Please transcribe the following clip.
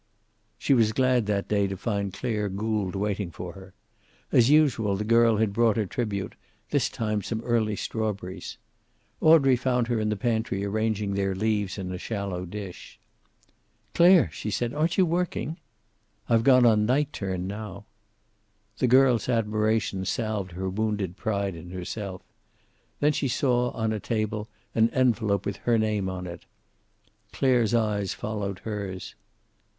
She was glad that day to find Clare Gould waiting for her. As usual, the girl had brought her tribute, this time some early strawberries. Audrey found her in the pantry arranging their leaves in a shallow dish. "Clare!" she said. "Aren't you working?" "I've gone on night turn now." The girl's admiration salved her wounded pride in herself. Then she saw, on a table, an envelope with her name on it. Clare's eyes followed hers.